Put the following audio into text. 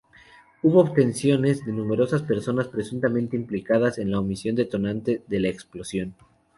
Hubo detenciones de numerosas personas presuntamente implicadas en la omisión detonante de la explosión.